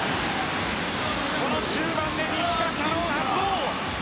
この終盤でニチカ・キャノンが発動！